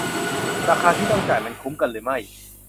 ราคาที่ต้องจ่ายมันคุ้มกันหรือไม่